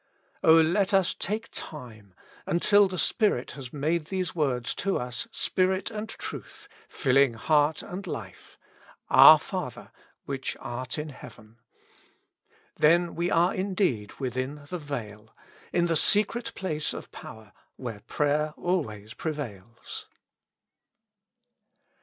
O let us take time, until the Spirit has made these words to us spirit and truth, filling heart and life ; "Our Father which art in heaven." Then we are indeed within the veil, in the secret place of power where prayer always prevails.